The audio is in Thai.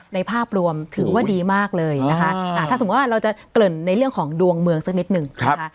ภาพรวมถือว่าดีมากเลยนะคะถ้าสมมุติว่าเราจะเกริ่นในเรื่องของดวงเมืองสักนิดหนึ่งนะคะ